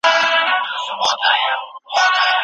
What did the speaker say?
تاسو باید خپل وخت په زده کړه تېر کړئ.